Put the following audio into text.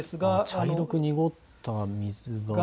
茶色く濁った水が。